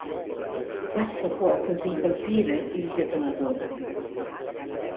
Questo può così colpire il detonatore.